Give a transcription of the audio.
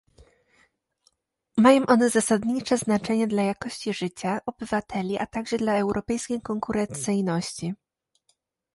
Mają one zasadnicze znaczenie dla jakości życia obywateli, a także dla europejskiej konkurencyjności